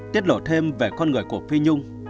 tiết lộ thêm về con người của phi nhung